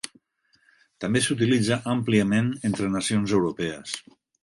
També s'utilitza àmpliament entre nacions europees.